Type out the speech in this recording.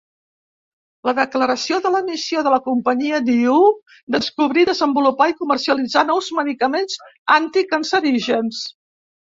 La declaració de la missió de la companyia diu... descobrir, desenvolupar i comercialitzar nous medicaments anticancerígens.